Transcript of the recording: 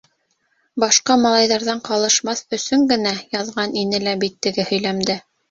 Башҡа малайҙарҙан ҡалышмаҫ өсөн генә яҙған ине лә бит теге һөйләмде.